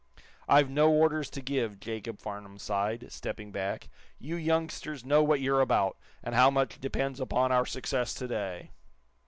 "I've no orders to give," Jacob Farnum sighed, stepping back. "You youngsters know what you're about, and how much depends upon our success to day."